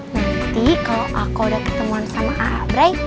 nanti kalau aku udah ketemuan sama sobri